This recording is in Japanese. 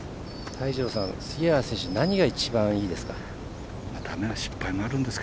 泰二郎さん、杉原選手の何が一番いいですか。